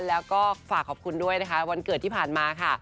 แล้วก็ฝากขอบคุณด้วยนะคะวันเกิดที่ผ่านมาค่ะ